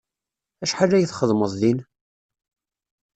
Acḥal ay txedmeḍ din?